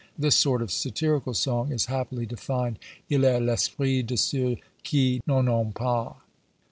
This sort of satirical song is happily defined, Il est l'esprit de ceux qui n'en ont pas.